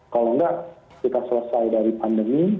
kalau enggak kita selesai dari pandemi